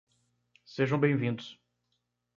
Sejam bem-vindos!